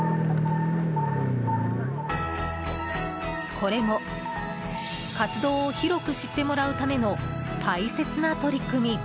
これも活動を広く知ってもらうための大切な取り組み。